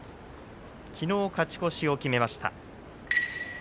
きのう勝ち越しを決めました。